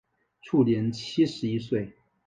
卒年七十一岁。